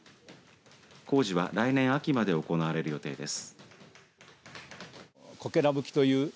工事は来年秋まで行われる予定です。